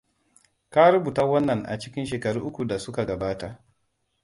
Ka rubuta wannan a cikin shekaru uku da suka gabata.